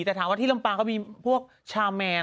แต่ถามว่าที่ลำปางเขามีพวกชาแมน